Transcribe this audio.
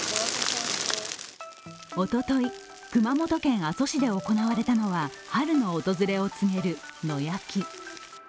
おととい、熊本県阿蘇市で行われたのは春の訪れを告げる野焼き。